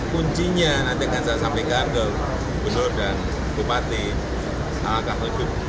kuncinya nanti akan sampai ke ardau benur dan bupati akan menuju